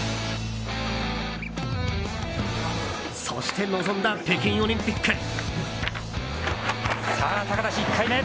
そして臨んだ北京オリンピック。